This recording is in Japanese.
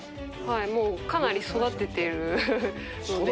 もうかなり育ててるので。